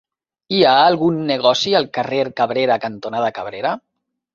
Hi ha algun negoci al carrer Cabrera cantonada Cabrera?